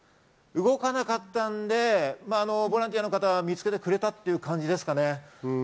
動かなかったのでボランティアの方が見つけてくれたという感じですね。